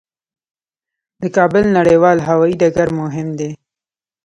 د کابل نړیوال هوايي ډګر مهم دی